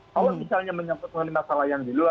kalau misalnya menyebabkan masalah yang di luar